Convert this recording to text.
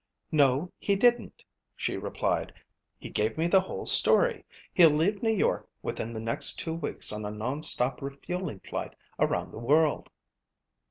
"No he didn't," she replied. "He gave me the whole story. He'll leave New York within the next two weeks on a non stop refueling flight around the world."